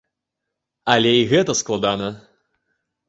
Але і гэта складана.